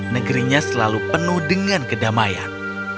negerinya selalu penuh dengan kedamaian